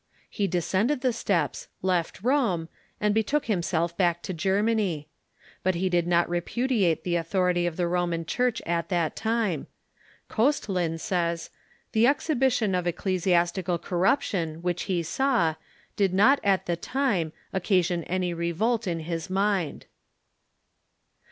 He descended the steps, left Rome, and betook himself back to Germany. But he did not repudiate the authority of the Roman Cliurch at that time. Kostlin says :" The exhibition of ecclesiastical corruption which he saw did not at the time occasion any revolt in his mind."